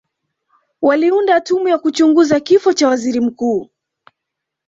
waliunda tume ya kuchunguza kifo cha waziri mkuu